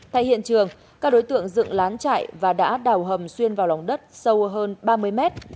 thay hiện trường các đối tượng dựng lán chạy và đã đào hầm xuyên vào lòng đất sâu hơn ba mươi mét